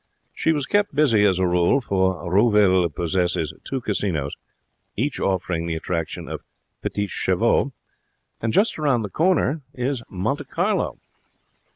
She was kept busy as a rule, for Roville possesses two casinos, each offering the attraction of petits chevaux, and just round the corner is Monte Carlo.